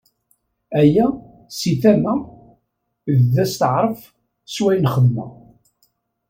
Aya, si tama, d asṭeɛref s wayen xeddmeɣ.